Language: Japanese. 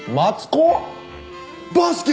バスケ